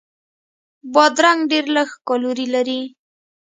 بادرنګ ډېر لږ کالوري لري.